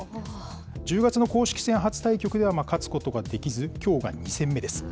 １０月の公式戦初対局では勝つことができず、きょうが２戦目です。